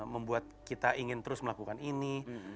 membuat kita ingin terus melakukan ini